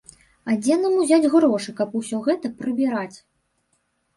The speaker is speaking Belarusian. А дзе нам узяць грошы, каб усё гэта прыбіраць?